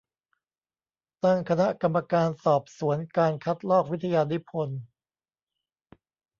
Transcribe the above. ตั้งคณะกรรมการสอบสวนการคัดลอกวิทยานิพนธ์